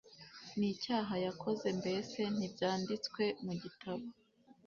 n'icyaha yakoze mbese ntibyanditswe mu gitabo